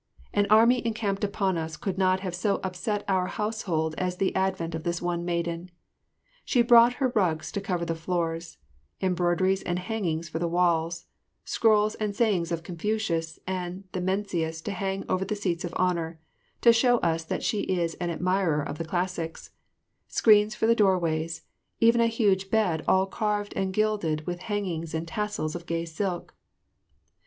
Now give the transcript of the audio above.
An army encamped upon us could not have so upset our household as the advent of this one maiden. She brought with her rugs to cover the floors, embroideries and hangings for the walls, scrolls and saying of Confucius and Mencius to hang over the seats of honour to show us that she is an admirer of the classics screens for the doorways, even a huge bed all carved and gilded and with hangings and tassels of gay silk.